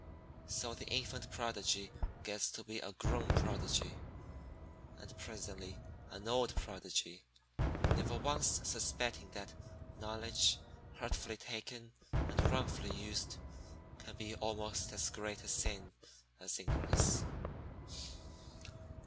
So the infant Prodigy gets to be a grown Prodigy, and presently an old Prodigy, never once suspecting that knowledge, hurtfully taken and wrongfully used, can be almost as great a sin as ignorance.